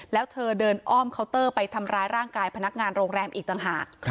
แล้วเธอเดินอ้อมเคาน์เตอร์ไปทำร้ายร่างกายพนักงานโรงแรมอีกต่างหาก